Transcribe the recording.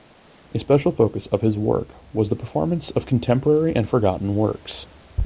A special focus of his work was the performance of contemporary and forgotten works.